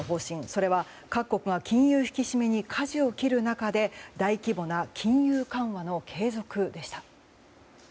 それは各国が金融引き締めにかじを切る中で大規模な金融緩和の継続でした。